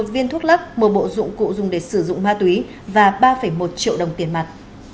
một viên thuốc lắc một bộ dụng cụ dùng để sử dụng ma túy và ba một triệu đồng tiền mặt